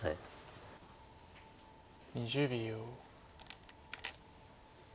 ２０秒。